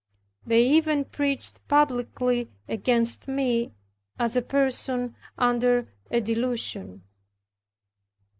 They even preached publicly against me, as a person under a delusion.